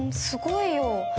すごいよ。